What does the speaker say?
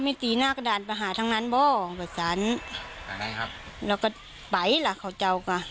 ตีหน้ากระดานประหาทั้งนั้นบ่อประสานอะไรครับแล้วก็ไปล่ะเขาเจ้าก็